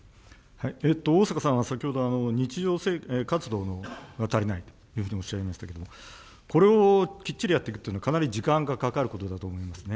逢坂さんは、先ほど日常活動が足りないというふうにおっしゃいましたけれども、これをきっちりやっていくというのは、かなり時間がかかることだと思いますね。